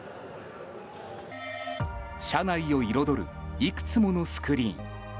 車内を彩るいくつものスクリーン。